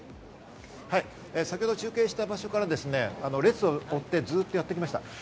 先ほど中継した場所から列をたどってやってきました。